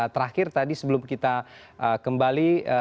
terakhir tadi sebelum kita kembali